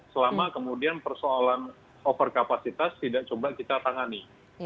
selama kemudian persoalan overkapasitas tidak coba kita tangani